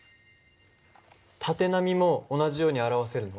縦波も同じように表せるの？